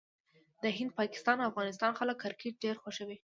د هند، پاکستان او افغانستان خلک کرکټ ډېر خوښوي.